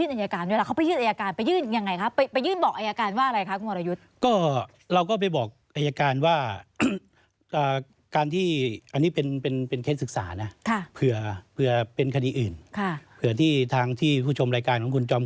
จะบอกว่าไม่ใช่อันนี้ใช่ไหม